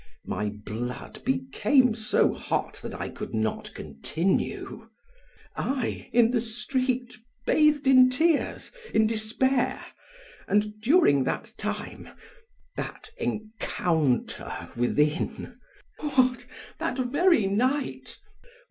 My blood became so hot that I could not continue. "I, in the street bathed in tears, in despair; and during that time that encounter within! What! that very night!